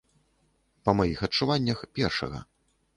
Па маіх адчуваннях, першага.